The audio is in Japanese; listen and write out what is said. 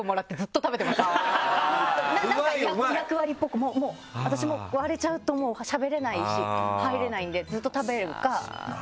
なんか役割っぽくもう私割れちゃうともうしゃべれないし入れないんで。